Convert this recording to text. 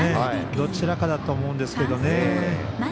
どちらかだと思うんですけどね。